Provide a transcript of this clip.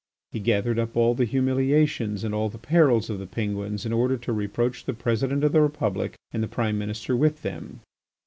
He gathered up all the humiliations and all the perils of the Penguins in order to reproach the President of the Republic and his Prime Minister with them.